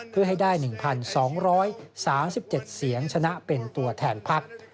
เพื่อให้ได้๑๒๓๗เสียงชนะเป็นตัวแทนพัก